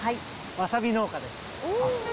わさび農家です。